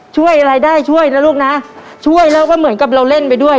ช่วยอะไรได้ช่วยนะลูกนะช่วยแล้วก็เหมือนกับเราเล่นไปด้วย